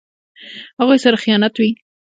هغوی سره خیانت وي.